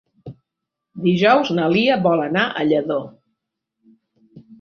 Dijous na Lia vol anar a Lladó.